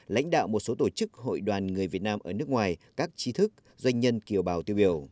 lãnh đạo một số tổ chức hội đoàn người việt nam ở nước ngoài các chi thức doanh nhân kiều bào tiêu biểu